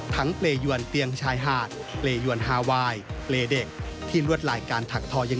ทั้งเปรยวนเตียงจะใช่หาด